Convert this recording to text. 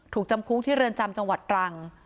ถูกจำคุกที่เรือนจำจังหวัดตรัง